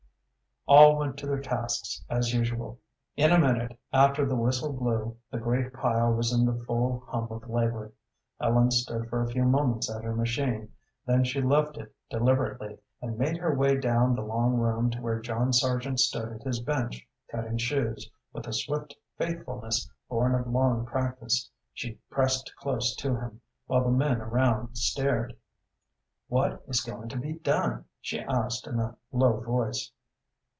All went to their tasks as usual. In a minute after the whistle blew the great pile was in the full hum of labor. Ellen stood for a few moments at her machine, then she left it deliberately, and made her way down the long room to where John Sargent stood at his bench cutting shoes, with a swift faithfulness born of long practice. She pressed close to him, while the men around stared. "What is going to be done?" she asked, in a low voice.